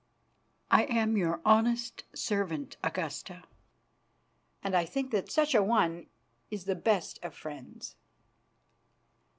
"I am your honest servant, Augusta, and I think that such a one is the best of friends."